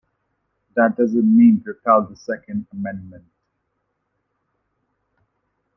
That doesn't mean repeal the Second Amendment.